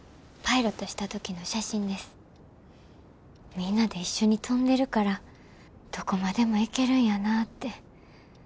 みんなで一緒に飛んでるからどこまでも行けるんやなって。